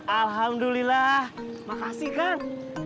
alhamdulillah makasih kang